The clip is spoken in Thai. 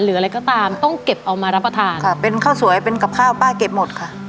หรืออะไรก็ตามต้องเก็บเอามารับประทานค่ะเป็นข้าวสวยเป็นกับข้าวป้าเก็บหมดค่ะ